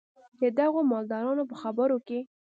د دغو مالدارانو په خبرو کې.